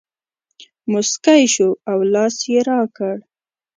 مسکی شو او لاس یې راکړ.